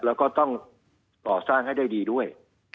แล้วก็ต้องก่อสร้างให้ได้ดีด้วย